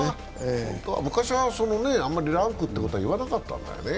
昔はあんまりランクということは言わなかったんだよね。